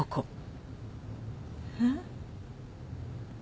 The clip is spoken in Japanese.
えっ？